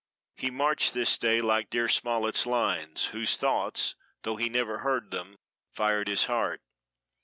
He marched this day like dear Smollett's lines, whose thoughts, though he had never heard them, fired his heart.